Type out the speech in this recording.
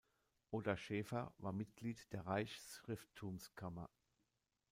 Oda Schaefer war Mitglied der Reichsschrifttumskammer.